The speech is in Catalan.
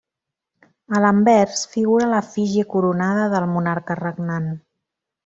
A l'anvers figura l'efígie coronada del monarca regnant.